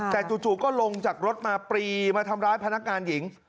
แต่จู่ก็ลงจากรถมาปรีมาทำร้ายพนักงานหญิง